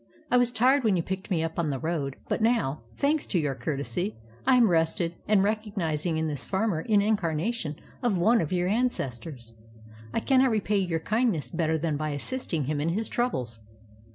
I was tired when you picked me up on the road, but now, thanks to your courtesy, I am rested, and recognizing in this farmer an incarnation of one of your ancestors, I cannot repay your kindness better than by assisting him in his troubles."